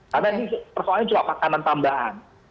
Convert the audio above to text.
karena ini soalnya cuma makanan tambahan